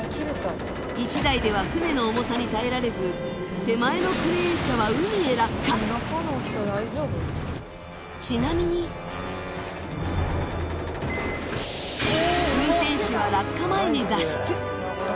１台では船の重さに耐えられず手前のクレーン車は海へ落下ちなみに運転手は落下前に脱出